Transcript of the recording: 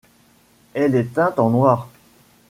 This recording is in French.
Elle est teinte en noir.